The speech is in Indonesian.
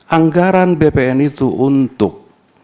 anggaran bpn itu untuk